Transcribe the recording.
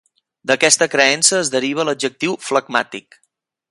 D'aquesta creença es deriva l'adjectiu flegmàtic.